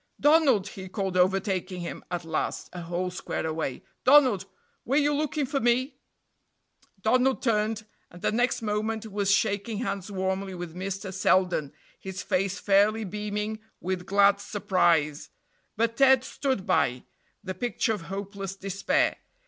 "Donald," he called, overtaking him at last, a whole square away "Donald, were you looking for me?" Donald turned, and the next moment was shaking hands warmly with Mr. Selden, his face fairly beaming with glad surprise; but Ted stood by, the picture of hopeless despair.